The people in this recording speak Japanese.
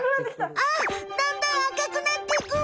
あっだんだん赤くなっていく！